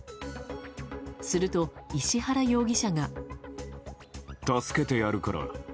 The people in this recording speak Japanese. すると、石原容疑者が。